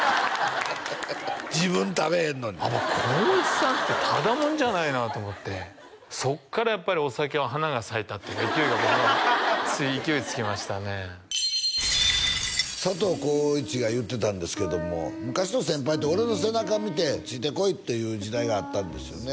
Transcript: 自分食べへんのに浩市さんってただ者じゃないなと思ってそっからやっぱりお酒は花が咲いたっていうか勢いがつい勢いつきましたね佐藤浩市が言うてたんですけども昔の先輩って「俺の背中見てついてこい」っていう時代があったんですよね